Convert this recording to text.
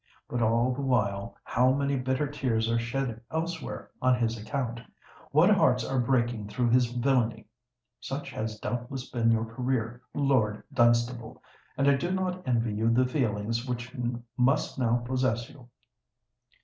But all the while, how many bitter tears are shed elsewhere on his account! what hearts are breaking through his villany! Such has doubtless been your career, Lord Dunstable: and I do not envy you the feelings which must now possess you.